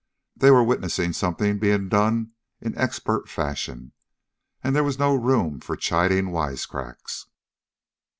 They were witnessing something being done in expert fashion, and there was no room for chiding wisecracks.